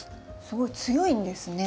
すごい強いんですね。